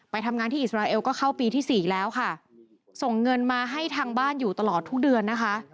ทำงานที่อิสราเอลก็เข้าปีที่สี่แล้วค่ะส่งเงินมาให้ทางบ้านอยู่ตลอดทุกเดือนนะคะ